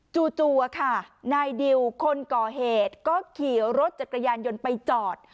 จู่ค่ะนายดิวคนก่อเหตุก็ขี่รถจักรยานยนต์ไปจอด